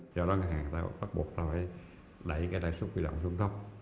do đó ngân hàng bắt buộc phải đẩy cái lãi suất huy động xuống tốc